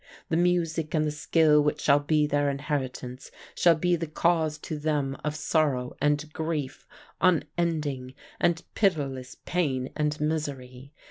The music and the skill which shall be their inheritance shall be the cause to them of sorrow and grief unending and pitiless pain and misery.